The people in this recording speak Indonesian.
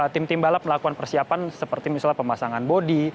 tim tim balap melakukan persiapan seperti misalnya pemasangan bodi